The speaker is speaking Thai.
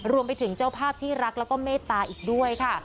รวมไปถึงเจ้าภาพที่รักแล้วก็เมตตาอีกด้วยค่ะ